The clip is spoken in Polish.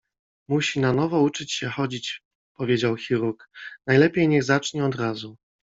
Musi na nowo uczyć się chodzić powiedział chirurg. - Najlepiej niech zacznie od razu.